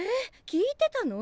聞いてたの？